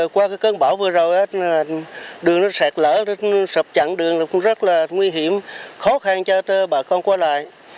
qua cơn bão vừa rồi đường sạt lở sập chặn đường rất nguy hiểm khó khăn cho bà con qua lại